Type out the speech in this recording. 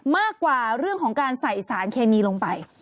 มากกว่าเรื่องของการใส่สารเคมีลงไป